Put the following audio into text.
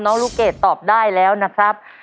ลูกเกดตอบได้แล้วนะครับ